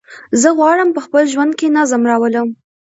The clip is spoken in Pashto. زه غواړم په خپل ژوند کې نظم راولم.